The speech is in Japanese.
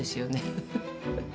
ウフフフ。